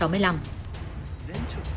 kinh khí cầu butz